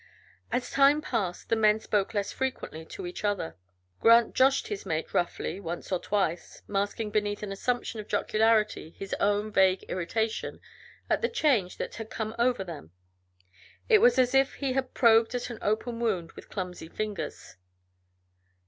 As time passed the men spoke less frequently to each other. Grant joshed his mate roughly, once or twice, masking beneath an assumption of jocularity his own vague irritation at the change that had come over them. It was as if he had probed at an open wound with clumsy fingers.